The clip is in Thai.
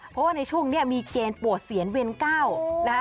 เพราะว่าในช่วงนี้มีเกณฑ์ปวดเสียญเวรเก้า